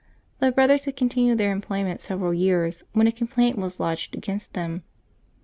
The brothers had continued their employment several years when a complaint was lodged against them.